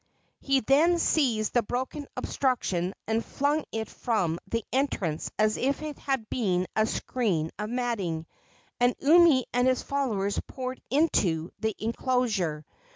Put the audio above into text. He then seized the broken obstruction and flung it from the entrance as if it had been a screen of matting, and Umi and his followers poured into the enclosure.